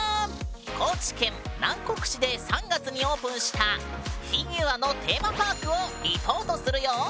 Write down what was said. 高知県南国市で３月にオープンしたフィギュアのテーマパークをリポートするよ！